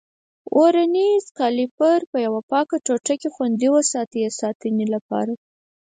ورنیز کالیپر پر یوه پاکه ټوټه کې خوندي وساتئ د ساتنې لپاره.